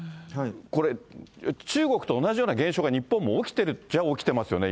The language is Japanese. これ、中国と同じような現象が日本も起きてるっちゃ起きてますよね、